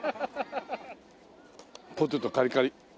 ポテトカリカリ。